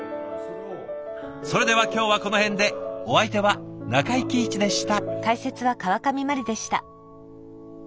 それでは今日はこの辺でお相手は中井貴一でした。